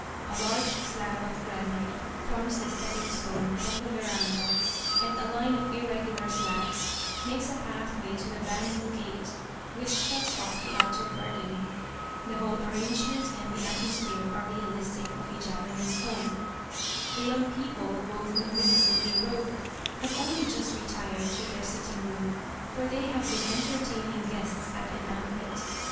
A large slab of granite forms the stepping stone from the veranda and a line of irregular slabs makes a pathway to the bamboo gate which shuts off the outer garden. The whole arrange ment and the atmosphere are realistic of a Japanese home. The young people, both magnificently robed, have only just retired to their sitting room, for they have been entertaining guests at a banquet.